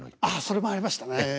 あっそれもありましたね。